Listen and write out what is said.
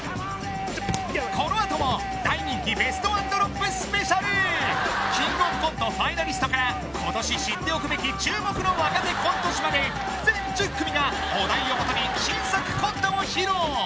このあとも大人気ベストワンドロップスペシャルキングオブコントファイナリストから今年知っておくべき注目の若手コント師まで全１０組がお題をもとに新作コントを披露